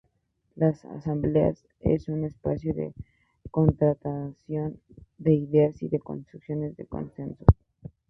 La asamblea es un espacio de confrontación de ideas y de construcción de consensos.